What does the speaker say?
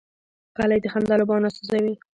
غلۍ د خندا، لوبو او ناستې ځای وي.